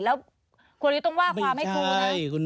แล้วคุณวรรยุทธ์ต้องว่าความไม่ครูนะ